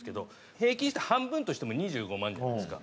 平均して半分としても２５万じゃないですか。